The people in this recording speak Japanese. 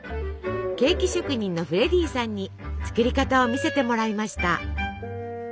ケーキ職人のフレディさんに作り方を見せてもらいました。